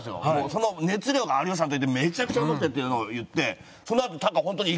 その熱量が有吉さんと行ってめちゃくちゃうまくてっていうのを言ってそのあとタカホントに行きましたからね。